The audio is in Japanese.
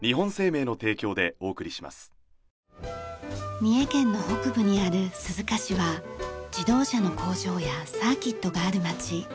三重県の北部にある鈴鹿市は自動車の工場やサーキットがある街。